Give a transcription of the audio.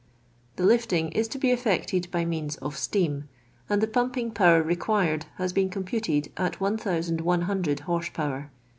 The lifting is to be effected by means of steam, and the pumping power required has been com puted at 1100 horse power.